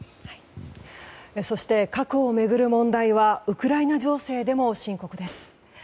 そして核を巡る問題はウクライナ情勢でも深刻です。